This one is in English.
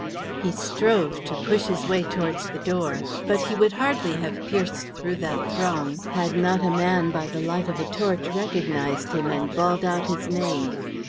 He strove to push his way towards the door, but he would hardly have pierced through that throng had not a man by the light of a torch recognised him and bawled out his name.